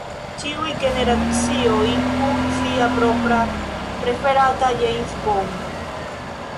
Ĉiuj generacioj kun sia propra preferata James Bond.